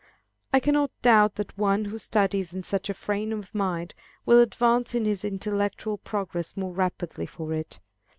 I cannot doubt that one who studies in such a frame of mind, will advance in his intellectual progress more rapidly for it.